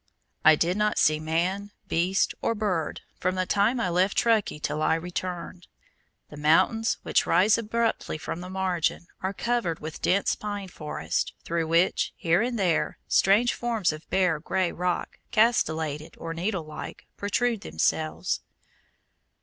I did not see man, beast, or bird from the time I left Truckee till I returned. The mountains, which rise abruptly from the margin, are covered with dense pine forests, through which, here and there, strange forms of bare grey rock, castellated, or needle like, protrude themselves.